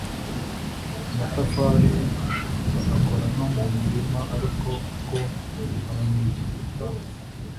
amatafari bagakora no mu mirima ariko uko abanyegiputa